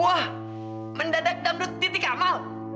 wah mendadak dangdut titik amal